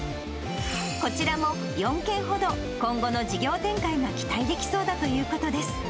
こちらも４件ほど、今後の事業展開が期待できそうだということです。